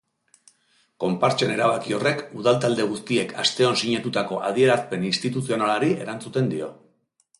Konpartsen erabaki horrek udal talde guztiek asteon sinatutako adierazpen instituzionalari erantzuten dio.